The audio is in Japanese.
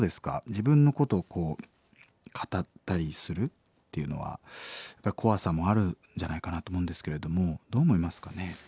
自分のことをこう語ったりするっていうのは怖さもあるんじゃないかなと思うんですけれどもどう思いますかね？